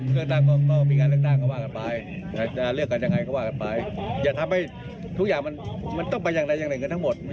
เค้าก็ไม่มาบ้างไม่แพ้ไม่มาแต่ไม่อยากเลือกตั้งได้